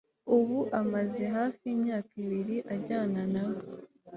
Ubu amaze hafi imyaka ibiri ajyana na we